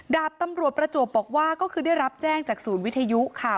ดาบตำรวจประจวบบอกว่าก็คือได้รับแจ้งจากศูนย์วิทยุค่ะ